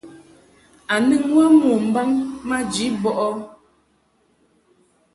A nɨŋ wə mo mbaŋ maji bɔʼɨ ?